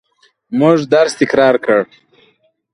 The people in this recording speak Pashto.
موږ درس تکرار کړ.